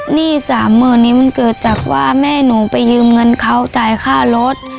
หนี้สามหมื่นนี้มันเกิดจากว่าแม่หนูไปยืมเงินเขาจ่ายค่ารถ